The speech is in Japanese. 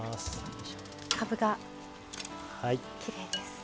かぶがきれいです。